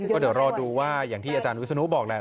ก็เดี๋ยวรอดูว่าอย่างที่อาจารย์วิศนุบอกแหละ